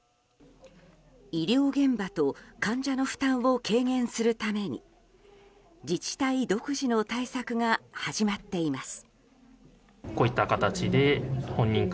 医療現場と患者の負担を軽減するために自治体独自の対策が始まっています。